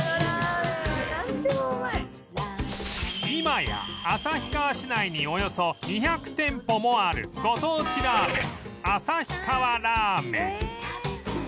今や旭川市内におよそ２００店舗もあるご当地ラーメン旭川ラーメン